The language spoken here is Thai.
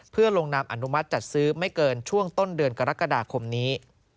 เพื่อลงนามอนุมัติจัดซื้อไม่เกินช่วงต้นเดือนกรกฎาคมนี้